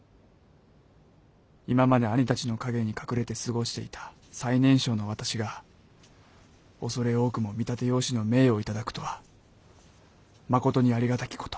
今まで兄たちの陰に隠れて過ごしていた最年少の私が畏れ多くも見立て養子の命を頂くとはまことにありがたきこと。